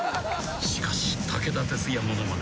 ［しかし武田鉄矢ものまね史